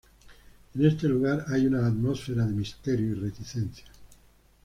En este lugar, hay una atmósfera de misterio y reticencia.